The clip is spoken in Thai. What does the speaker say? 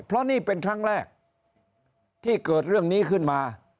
เพราะนี่เป็นครั้งแรกที่เกิดเรื่องนี้ขึ้นมา